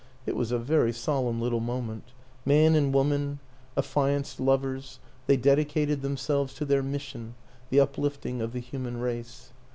It was a very solemn little moment; man and woman, affianced lovers, they dedicated themselves to their mission, the uplift ing of the human race.